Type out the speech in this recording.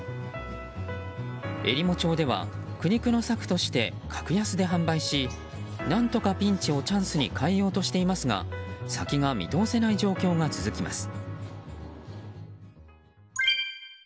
えりも町では苦肉の策として格安で販売し何とかピンチをチャンスに変えようとしていますが先が見通せない状況が続きます。